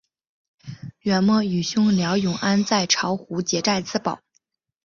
元末与兄廖永安在巢湖结寨自保。